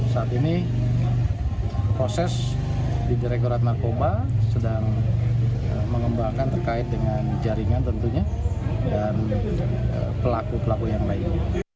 saat ini proses di direkturat narkoba sedang mengembangkan terkait dengan jaringan tentunya dan pelaku pelaku yang lain